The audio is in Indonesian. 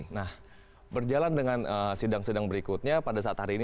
nah berjalan dengan sidang sidang berikutnya pada saat hari ini